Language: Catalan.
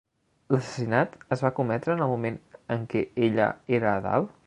L'assassinat es va cometre en el moment en què ella era a dalt?